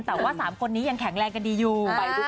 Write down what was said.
แต่ว่า๓คนนี้ยังแข็งแรงกันดีอยู่